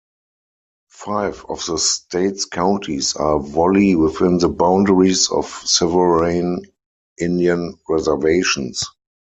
Five of the state's counties are wholly within the boundaries of sovereign Indian reservations.